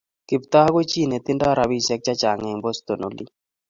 Kiptoo ko chi ne tindo rabisiek che chang eng Boston olin